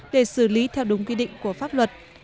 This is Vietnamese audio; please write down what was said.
để xử lý theo đúng quy định của pháp luật